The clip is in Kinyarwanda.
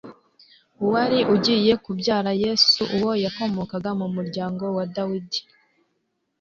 uwari ugiye kubyara Yesu. Uwo yakomokaga mu muryango wa Dawidi,